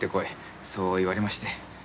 そう言われまして。